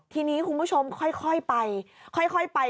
ทีนี้คุณผู้ชมค่อยไปค่อยไป